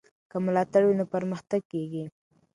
که ملاتړ وي نو پرمختګ کېږي.